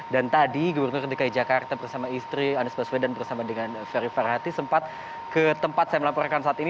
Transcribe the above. dan tadi gubernur dki jakarta bersama istri anies baswedan bersama dengan ferry farhati sempat ke tempat saya melaporkan saat ini